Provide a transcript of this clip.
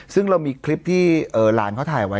ซึ่งเรามีคลิปที่หลานเขาถ่ายไว้